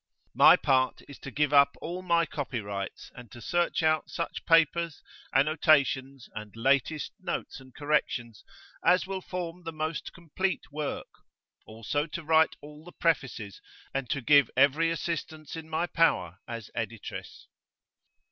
My part is to give up all my copyrights, and to search out such papers, annotations, and latest notes and corrections, as will form the most complete work; also to write all the Prefaces, and to give every assistance in my power as Editress.